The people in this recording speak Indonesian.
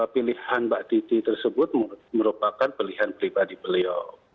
pilihan mbak titi tersebut merupakan pilihan pribadi beliau